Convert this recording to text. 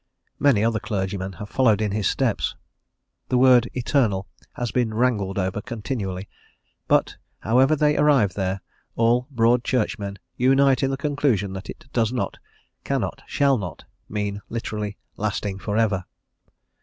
Many other clergymen have followed in his steps. The word "eternal" has been wrangled over continually, but, however they arrive there, all Broad Churchmen unite in the conclusion that it does not, cannot, shall not, mean literally lasting for ever.